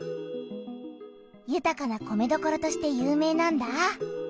ゆたかな米どころとして有名なんだ。